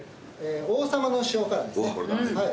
王様の塩辛ですね。